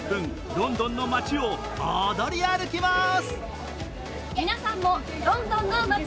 ロンドンの街を踊り歩きます。